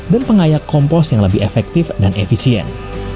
dan pengayak kompos yang lebih efektif dan efisien